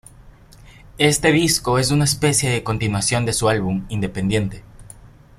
Este disco es una especie de continuación de su álbum "Independiente".